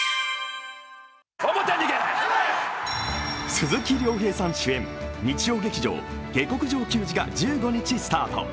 鈴木亮平さん主演、日曜劇場「下剋上球児」が１５日スタート。